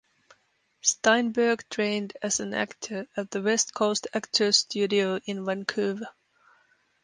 Steinberg trained as an actor at the West Coast Actors Studio in Vancouver.